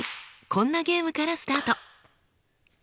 こんなゲームからスタート。